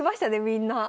みんな。